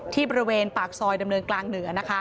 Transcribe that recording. ที่บริเวณปากซอยดำเนินกลางเหนือ